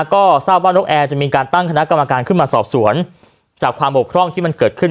ก็ทราบว่านกแอร์จะมีการตั้งคณะกรรมการขึ้นมาสอบสวนจากความบกพร่องที่มันเกิดขึ้น